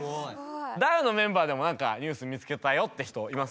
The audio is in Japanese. ダウのメンバーでも何かニュース見つけたよって人います？